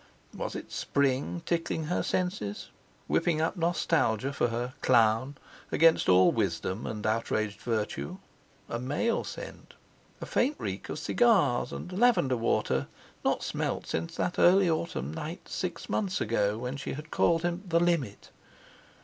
Was it spring tickling her senses—whipping up nostalgia for her "clown," against all wisdom and outraged virtue? A male scent! A faint reek of cigars and lavender water not smelt since that early autumn night six months ago, when she had called him "the limit."